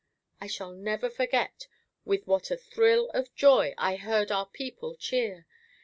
I shall never forget with what a thrill of joy I heard our people cheer.